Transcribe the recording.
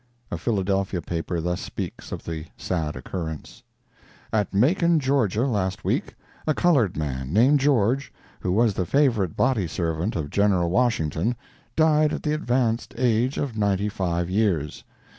A Philadelphia paper thus speaks of the sad occurrence: At Macon, Ga., last week, a colored man named George, who was the favorite body servant of General Washington, died at the advanced age of 95 years.